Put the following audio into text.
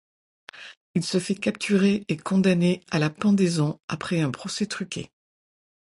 Il se fait capturer et condamner à la pendaison après un procès truqué.